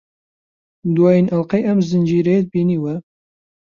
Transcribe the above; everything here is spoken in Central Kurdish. دوایین ئەڵقەی ئەم زنجیرەیەت بینیوە؟